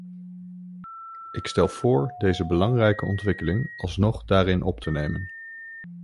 Ik stel voor deze belangrijke ontwikkeling alsnog daarin op te nemen.